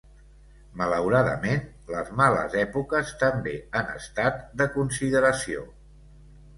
Malauradament, les males èpoques també han estat de consideració.